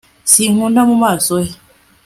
sinkunda mu maso he